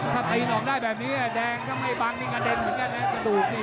ถ้าตีนออกได้แบบนี้แดงถ้าไม่บังนี่กระเด็นเหมือนกันนะกระดูกนี่